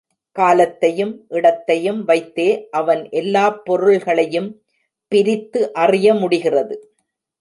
காலத்தையும் இடத்தையும் வைத்தே அவன் எல்லாப் பொருள்களையும் பிரித்து அறிய முடிகிறது.